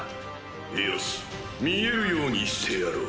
よし見えるようにしてやろう。